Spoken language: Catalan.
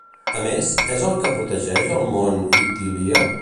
A més, és el que protegeix el mont Ithilien?